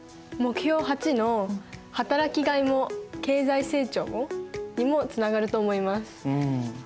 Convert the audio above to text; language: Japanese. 目標８の「働きがいも経済成長も」にもつながると思います。